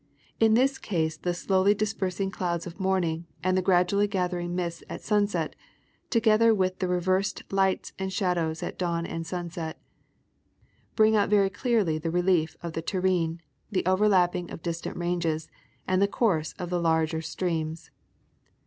In this case the slowly dis persing clouds of morning, and the gradually gathering mists at sunset, together with the reversed lights and shadows at dawn and sunset, bring out very clearly the relief of the terrene, the overlapping of distant ranges, and the course of the larger streams.